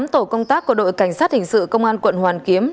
tám tổ công tác của đội cảnh sát hình sự công an quận hoàn kiếm